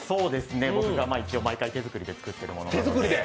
僕が一番毎回手作りで作ってるもので。